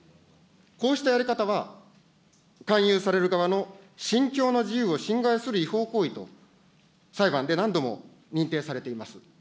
こうしたやり方は勧誘される側の信教の自由を侵害する違法行為と、裁判で何度も認定されています。